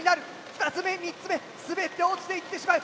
２つ目３つ目滑って落ちていってしまう。